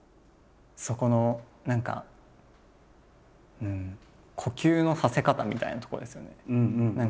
そこの何か呼吸のさせ方みたいなとこですよね。